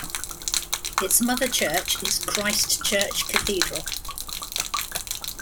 Its mother church is Christ Church Cathedral.